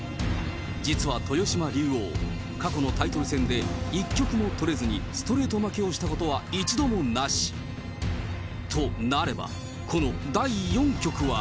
実は豊島竜王、過去のタイトル戦で、一局も取れずに、ストレート負けをしたことは一度もなし。と、なれば、この第４局は。